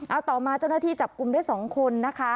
เอาต่อมาเจ้าหน้าที่จับกลุ่มได้๒คนนะคะ